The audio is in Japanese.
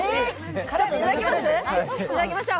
いただきましょう。